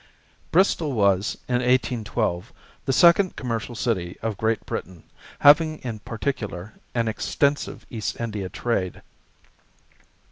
Bristol was, in 1812, the second commercial city of Great Britain, having in particular an extensive East India trade.